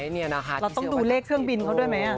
เราต้องดูเลขเครื่องบินเขาด้วยไหม